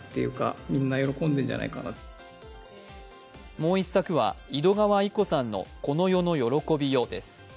もう１作は井戸川射子さんの「この世の喜びよ」です。